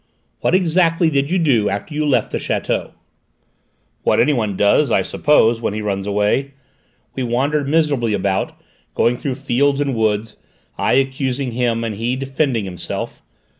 "What exactly did you do after you left the château?" "What anyone does, I suppose, when he runs away. We wandered miserably about, going through fields and woods, I accusing him and he defending himself.